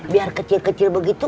biar kecil kecil begitu